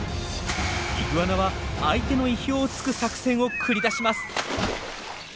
イグアナは相手の意表をつく作戦を繰り出します。